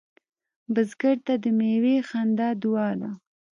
بزګر ته د میوې خندا دعا ده